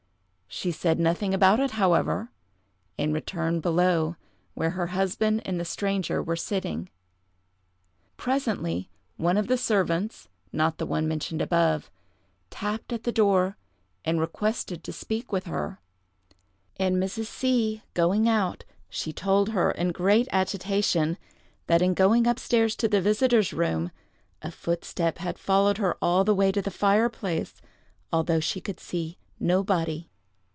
She said nothing about it, however, and returned below, where her husband and the stranger were sitting. Presently, one of the servants (not the one mentioned above) tapped at the door and requested to speak with her, and Mrs. C—— going out, she told her, in great agitation, that in going up stairs to the visiter's room, a footstep had followed her all the way to the fireplace, although she could see nobody.